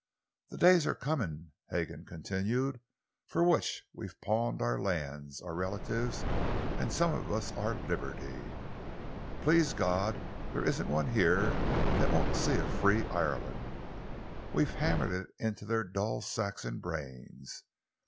"The days are coming," Hagan continued, "for which we've pawned our lands, our relatives, and some of us our liberty. Please God there isn't one here that won't see a free Ireland! We've hammered it into their dull Saxon brains.